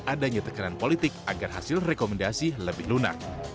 adanya tekanan politik agar hasil rekomendasi lebih lunak